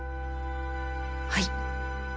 はい。